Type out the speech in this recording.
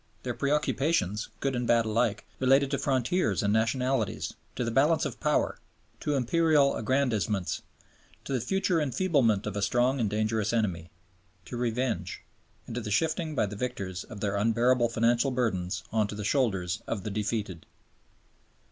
Their preoccupations, good and bad alike, related to frontiers and nationalities, to the balance of power, to imperial aggrandizements, to the future enfeeblement of a strong and dangerous enemy, to revenge, and to the shifting by the victors of their unbearable financial burdens on to the shoulders of the defeated.